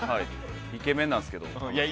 イケメンなんですけど。